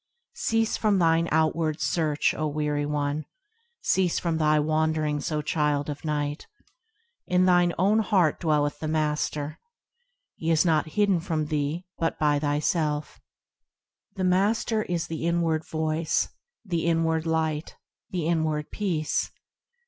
Cease from thine outward search, O weary one! Cease from thy wanderings, O child of night ! In thine own heart dwelleth the Master ; He is not hidden from thee but by thyself. The Master is the inward Voice, The inward Light, The inward Peace.